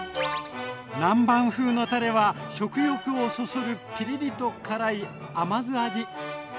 南蛮風のたれは食欲をそそるピリリと辛い甘酢味。